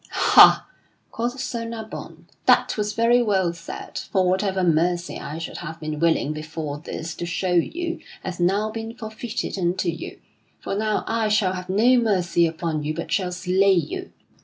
"Ha!" quoth Sir Nabon, "that was very well said, for whatever mercy I should have been willing before this to show you hath now been forfeited unto you. For now I shall have no mercy upon you but shall slay you."